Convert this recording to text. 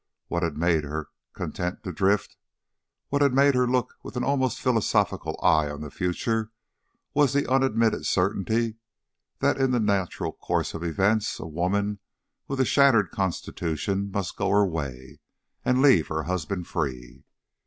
What had made her content to drift, what had made her look with an almost philosophical eye on the future, was the unadmitted certainty that in the natural course of events a woman with a shattered constitution must go her way and leave her husband free.